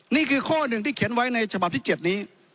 นี่คือข้อหนึ่งที่เขียนไว้ในฉบับที่๗นี้